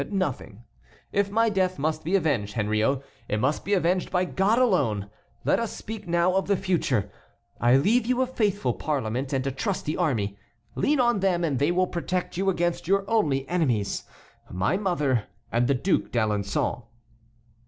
"Nothing. If my death must be avenged, Henriot, it must be avenged by God alone. Let us speak now of the future. I leave you a faithful parliament and a trusty army. Lean on them and they will protect you against your only enemies—my mother and the Duc d'Alençon."